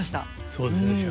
そうですね。